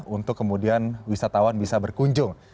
untuk kemudian wisatawan bisa berkunjung